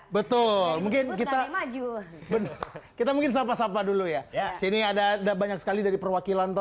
betul mungkin kita maju benar kita mungkin sapa sapa dulu ya sini ada banyak sekali dari perwakilan